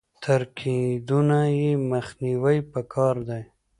تر کېدونه يې مخنيوی په کار دی.